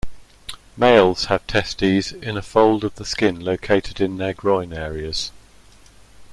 Males have testes in a fold of the skin located in their groin areas.